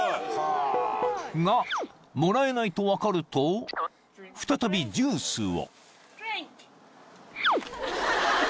［がもらえないと分かると再びジュースを］